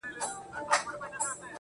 څه دي راوکړل د قرآن او د ګیتا لوري,